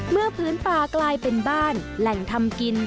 พื้นป่ากลายเป็นบ้านแหล่งทำกิน